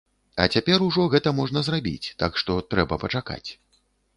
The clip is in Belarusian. А цяпер ужо гэта можна зрабіць, так што, трэба пачакаць.